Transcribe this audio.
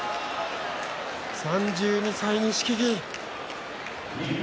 ３２歳、錦木。